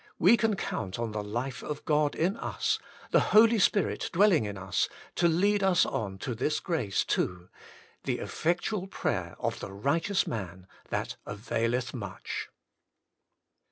We can count on the life of God in us, the Holy Spirit dwelling in us, to lead us on to this grace too: the effectual prayer of the righteous man that availeth much.